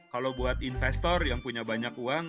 kalau buat investor yang punya banyak uang